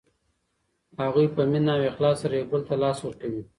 هغوی په مینه او اخلاص سره یو بل ته لاس ورکوي.